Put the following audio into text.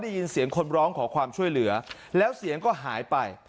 ได้ยินเสียงคนร้องขอความช่วยเหลือแล้วเสียงก็หายไป